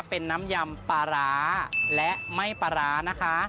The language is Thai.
เป็นน้ำยำปลาร้าและไหม้ปลาร้านะคะ